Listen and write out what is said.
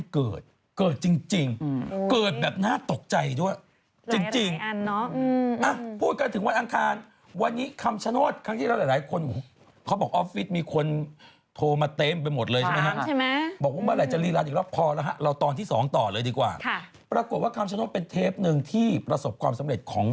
เกิดเกิดจริงเกิดแบบน่าตกใจด้วยจริงพูดกันถึงวันอังคารวันนี้คำชโนธครั้งที่เราหลายคนเขาบอกออฟฟิศมีคนโทรมาเต็มไปหมดเลยใช่ไหมฮะใช่ไหมบอกว่าเมื่อไหร่จะรีรันอีกรอบพอแล้วฮะเราตอนที่สองต่อเลยดีกว่าค่ะปรากฏว่าคำชโนธเป็นเทปหนึ่งที่ประสบความสำเร็จของ